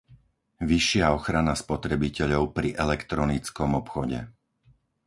vyššia ochrana spotrebiteľov pri elektronickom obchode;